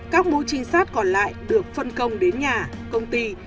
các mũi trinh sát còn lại được phân công đến nhà công ty